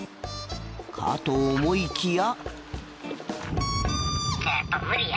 かと思いきや。